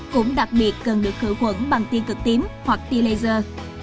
cũng đặc biệt cần được khử khuẩn bằng tiên cực tím hoặc tiên laser